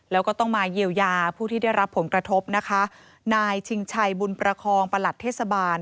แล้วก็ต้องมาเยียวยาผู้ที่ได้รับผลกระทบนะคะนายชิงชัยบุญประคองประหลัดเทศบาล